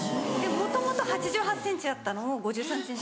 もともと８８ｃｍあったのを５３ｃｍぐらいに。